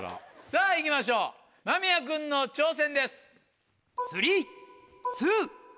さぁ行きましょう間宮君の挑戦です。